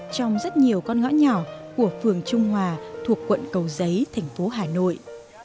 trong rất nhiều con ngõ nhỏ của phường trung hòa thuộc quận cầu giấy thành phố hà nội